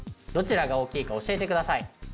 どちらが大きいか教えてください。